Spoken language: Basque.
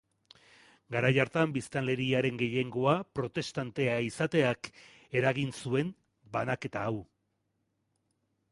Garai hartan biztanleriaren gehiengoa protestantea izateak eragin zuen banaketa hau.